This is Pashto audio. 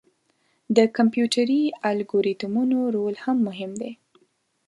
د کمپیوټري الګوریتمونو رول هم مهم دی.